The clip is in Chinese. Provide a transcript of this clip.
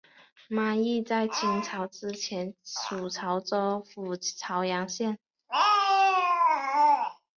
妈屿在清朝之前属潮州府潮阳县。